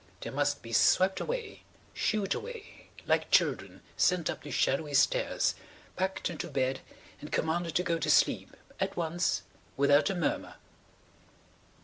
They must be swept away, shooed away–like children, sent up the shadowy stairs, packed into bed, and commanded to go to sleep–at once–without a murmur!